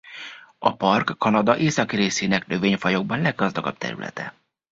A park Kanada északi részének növényfajokban leggazdagabb területe.